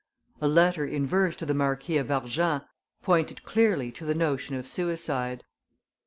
A letter in verse to the Marquis of Argens pointed clearly to the notion of suicide.